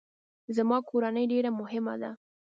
زما کورنۍ ډیره مهمه ده